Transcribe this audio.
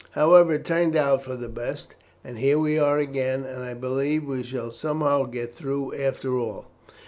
However, it turned out for the best, and here we are again, and I believe that we shall somehow get through after all.